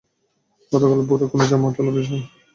গতকাল ভোরে কোনো যানবাহনের চাকায় পিষ্ট হয়ে তাঁর মৃত্যু হতে পারে।